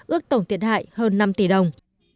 ước tổng thiệt hại hơn năm tỷ đồng